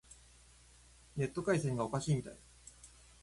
ネット回線がおかしいみたい。